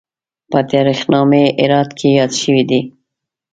په تاریخ نامه هرات کې یاد شوی دی.